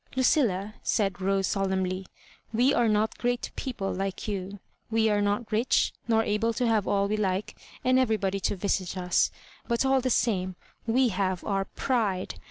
'*" Lucilla," said Rose, solemnly, " we are not great people like you ; we are not rich, nor able to have all we like, and everybody to visit us ; but, all the same, we have our Pride.